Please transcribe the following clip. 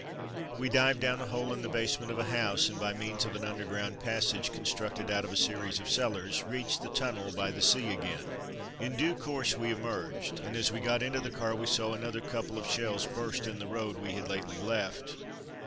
We dived down a hole in the basement of a house and by means of an underground passage, constructed out of a series of cellars, reached the tunnel by the sea again. In due course we emerged, and as we got into the car we saw another couple of shells burst in the road we had lately left.